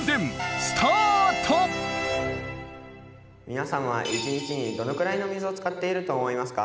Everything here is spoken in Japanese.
皆さんは１日にどのくらいの水を使っていると思いますか？